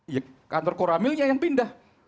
ya kantor koramilnya yang pindah